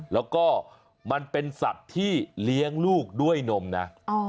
แล้วก็มันเป็นสัตว์ที่เลี้ยงลูกด้วยนมนะ